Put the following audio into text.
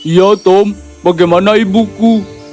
ya tom bagaimana ibuku